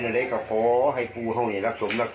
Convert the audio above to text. ชิคกี้พาย